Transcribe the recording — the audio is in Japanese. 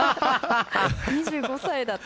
２５歳だって。